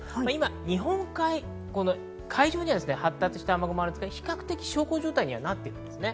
日本海海上に発達した雨雲がありますが、小康状態になっています。